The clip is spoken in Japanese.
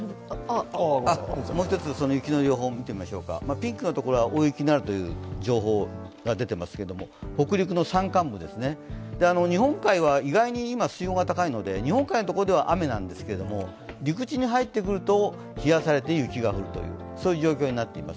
ピンクのところが大雪になるという情報が出ていますけれども、北陸の山間部、日本海は今意外に水温が高いので、日本海のところでは雨なんですけれども陸地に入ってくると冷やされて雪が降るという状況になっています。